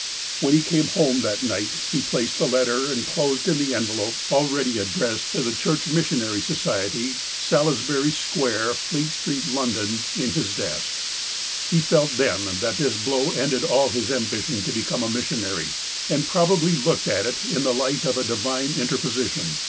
When he came home that night he placed the letter, enclosed in the envelope, already addressed to "The 27 28 THE APOSTLE OF ALASKA Church Missionary Society, Salisbury Square, Fleet Street, Londou," in his desk. He felt then that this blow ended all his ambition to become a missionary, and probably looked at it in the light of a divine interj)osition.